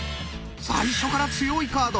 最初から強いカード。